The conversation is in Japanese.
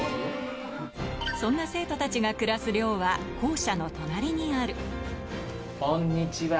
そんな生徒たちが暮らす寮は校舎の隣にあるこんにちは。